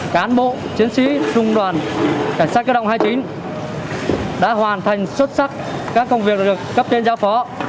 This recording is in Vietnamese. cán bộ chiến sĩ trung đoàn cảnh sát cơ động hai mươi chín đã hoàn thành xuất sắc các công việc được cấp trên giao phó